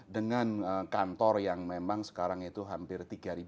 dengan kantor yang memang sekarang itu hampir tiga